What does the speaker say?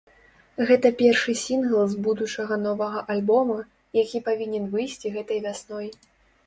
Гэта першы сінгл з будучага новага альбома, які павінен выйсці гэтай вясной.